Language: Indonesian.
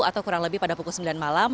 atau kurang lebih pada pukul sembilan malam